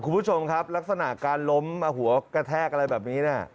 คุณผู้ชมครับลักษณะการล้มหัวกระแทกอะไรแบบนี้เนี่ย